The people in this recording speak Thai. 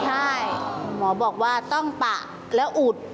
ใช่หมอบอกว่าต้องปะแล้วอุด